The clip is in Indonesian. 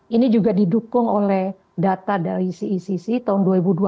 ini juga didukung oleh data dari cecc tahun dua ribu dua puluh